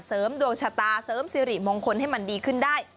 เสริมดวงชะตาเสริมสิริมงคลให้มันดีขึ้นได้